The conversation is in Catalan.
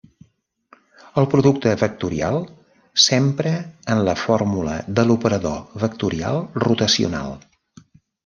El producte vectorial s'empra en la fórmula de l'operador vectorial rotacional.